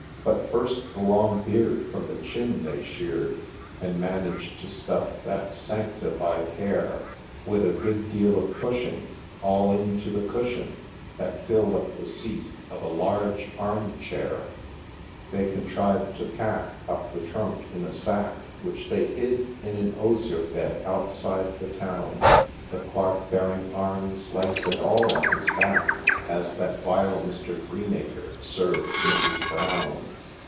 But first the long beard from the chin they shear'd, And managed to stuff that sanctified hair, With a good deal of pushing, all into the cushion That filled up the seat of a large arm chair. They contriv'd to pack up the trunk in a sack, Which they hid in an osier bed outside the town, The Clerk bearing arms, legs and all on his back, As that vile Mr. Greenacre served Mrs. Brown.